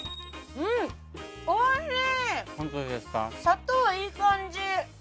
うんおいしい！